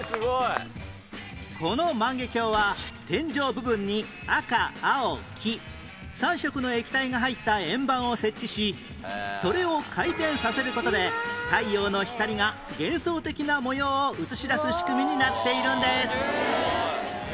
この万華鏡は天井部分に赤青黄三色の液体が入った円盤を設置しそれを回転させる事で太陽の光が幻想的な模様を映し出す仕組みになっているんです